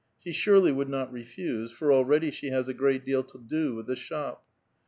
She surely 'W'oiild not refuse, for already she has a great deal to do with tilie shop.